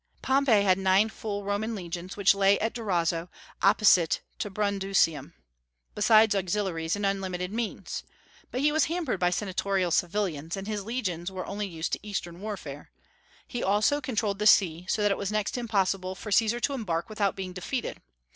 Pompey had nine full Roman legions, which lay at Durazzo, opposite to Brundusium, besides auxiliaries and unlimited means; but he was hampered by senatorial civilians, and his legions were only used to Eastern warfare. He also controlled the sea, so that it was next to impossible for Caesar to embark without being defeated.